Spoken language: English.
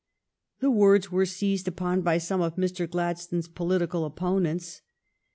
The words were seized upon by some of Mr. Gladstone s political oppo nents.